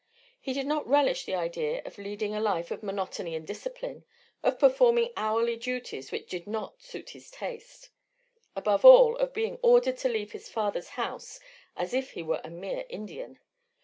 He did not relish the idea of leading a life of monotony and discipline, of performing hourly duties which did not suit his taste, above all of being ordered to leave his father's house as if he were a mere Indian.